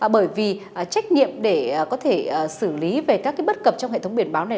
bởi vì trách nhiệm để có thể xử lý về các cái bất cập trong hệ thống biên bảo này